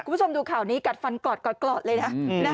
คุณผู้ชมดูข่าวนี้กัดฟันกรอดเลยนะ